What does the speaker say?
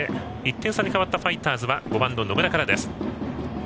１点差に変わったファイターズは５番、野村からです。